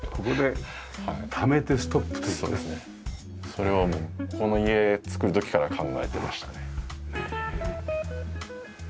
それはこの家造る時から考えてましたね。